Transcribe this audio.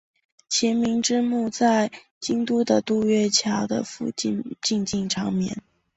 晴明之墓在京都的渡月桥的附近静静长眠。